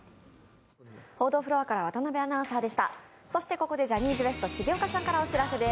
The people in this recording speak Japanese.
ここでジャニーズＷＥＳＴ重岡さんからお知らせです。